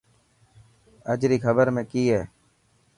اڄ ري خبر ۾ ڪئي هي؟